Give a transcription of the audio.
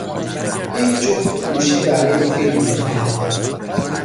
یک جفت گوشی برای فیلم می خواهم.